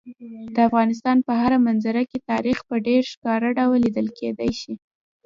د افغانستان په هره منظره کې تاریخ په ډېر ښکاره ډول لیدل کېدی شي.